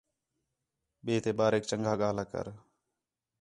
ٻئے تے باریک چنڳا ڳاہلا کر